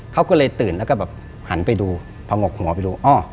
เขาก็เลยตื่นแล้วก็แบบหันไปดูผงกหัวไปดู